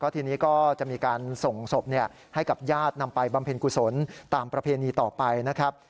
ทีนี้ก็จะมีการส่งศพให้กับญาตินำไปบำเพ็ญกุศลตามประเพณีต่อไปนะครับ